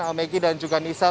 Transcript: yang saya ingatkan adalah